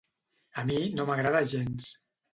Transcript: A mi no m'agrada gens.